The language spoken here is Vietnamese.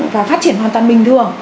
và phát triển hoàn toàn bình thường